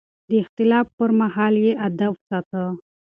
د اختلاف پر مهال يې ادب ساته.